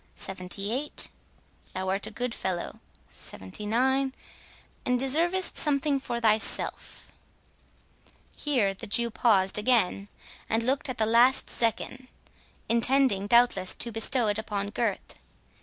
—"Seventy eight—thou art a good fellow—seventy nine—and deservest something for thyself— " Here the Jew paused again, and looked at the last zecchin, intending, doubtless, to bestow it upon Gurth.